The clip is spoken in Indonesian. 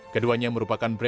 keduanya merupakan berita